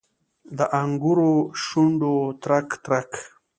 د انګورو شونډې ترک، ترک